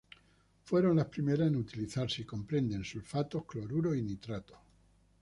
Fueron las primeras en utilizarse y comprenden sulfatos, cloruros y nitratos.